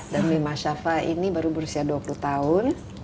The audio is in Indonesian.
dan mima shafa ini baru berusia dua puluh tahun